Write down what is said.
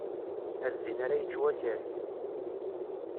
A zzin ara yečč wakal!